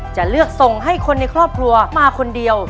จะเลือกส่งให้คนในครอบครัวมาคนเดียว